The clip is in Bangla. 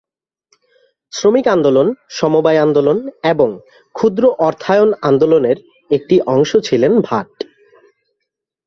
শ্রমিক আন্দোলন, সমবায় আন্দোলন এবং ক্ষুদ্র অর্থায়ন আন্দোলনের একটি অংশ ছিলেন ভাট।